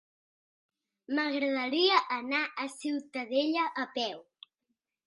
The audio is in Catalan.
M'agradaria anar a Ciutadilla a peu.